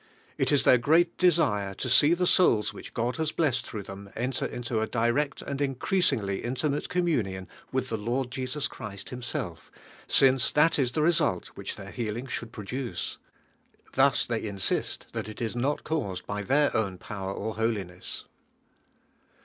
It is their great desire to see the souls which God has bleat through them enter into a direct and increas ingly intimate communion with the Lord Jesus Christ Himself, since thai is the result which their healing should pro dace. Thus they insist that it is not caused by their own power or holiness.